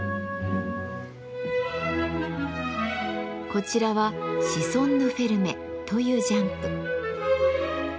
こちらはシソンヌ・フェルメというジャンプ。